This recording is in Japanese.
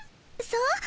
そう？